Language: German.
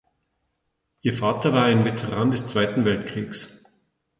Ihr Vater war ein Veteran des Zweiten Weltkriegs.